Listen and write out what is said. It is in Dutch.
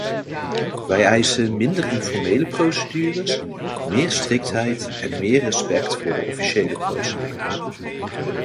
Wij eisen minder informele procedures, meer striktheid en meer respect voor de officiële procedures!